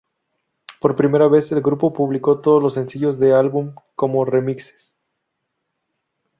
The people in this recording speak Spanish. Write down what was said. Por primera vez, el grupo publicó todos los sencillos de álbum como remixes.